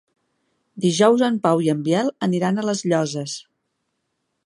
Dijous en Pau i en Biel aniran a les Llosses.